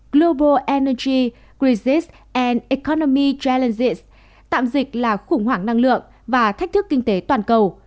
global energy crisis and economy challenges tạm dịch là khủng hoảng năng lượng và thách thức kinh tế toàn cầu